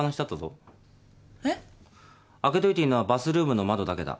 開けといていいのはバスルームの窓だけだ。